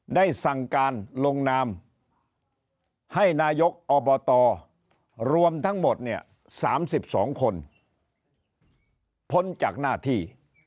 ได้สั่งการลงนามให้นายกอบตรวมทั้งหมดเนี่ย๓๒คนพ้นจากหน้าที่